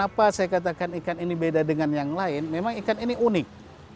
intinya kalau ikan ini kenapa saya katakan ikan ini beda dengan yang lain memang ikan ini unik